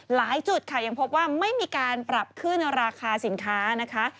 หลายจุดค่ะยังพบว่าไม่มีการปรับขึ้นราคาสินค้านะคะ